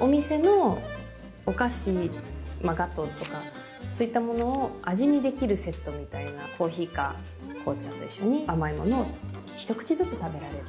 お店のお菓子、ガトーとか、そういったものを味見できるセットみたいな、コーヒーか紅茶と一緒に、甘いものを一口ずつ食べられる。